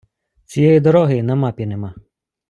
Цієї дороги й на мапі нема.